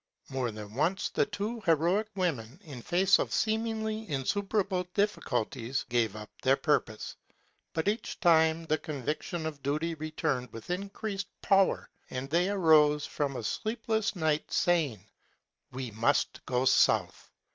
More than once the two heroic women, in the face of seemingly insuperable difficulties, gave up their purpose ; but each time the conviction of duty returned with increased power and they arose from a sleepless night sa3dng, *' We must go south.''